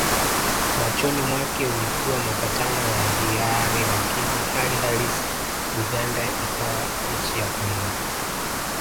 Machoni mwake ulikuwa mapatano ya hiari lakini hali halisi Buganda ikawa nchi ya kulindwa